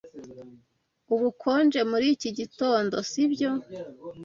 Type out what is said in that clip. Ubukonje muri iki gitondo, sibyo?